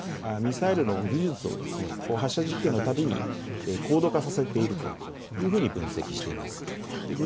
政府としては北朝鮮がミサイルの技術を発射実験のたびに高度化させているというふうに分析しています。